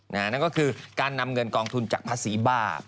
นั่นก็คือการนำเงินกองทุนจากภาษีบ้า